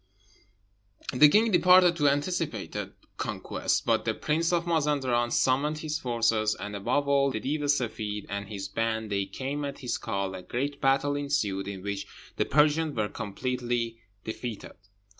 The king departed to anticipated conquest; but the prince of Mazenderan summoned his forces, and, above all, the Deev e Seffeed and his band. They came at his call: a great battle ensued, in which the Persians were completely defeated.